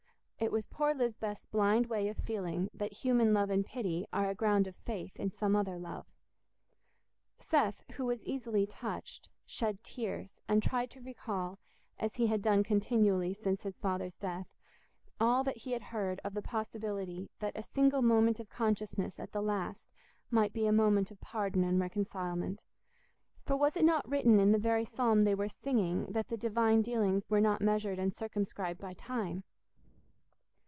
It was poor Lisbeth's blind way of feeling that human love and pity are a ground of faith in some other love. Seth, who was easily touched, shed tears, and tried to recall, as he had done continually since his father's death, all that he had heard of the possibility that a single moment of consciousness at the last might be a moment of pardon and reconcilement; for was it not written in the very psalm they were singing that the Divine dealings were not measured and circumscribed by time?